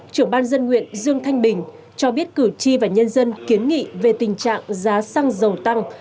trưởng ban dân nguyện dương thanh bình cho biết cử tri và nhân dân kiến nghị về tình trạng giá xăng dầu tăng